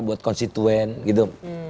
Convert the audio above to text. buat konstituen gitu